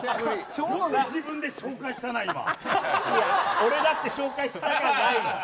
俺だって紹介したくないよ。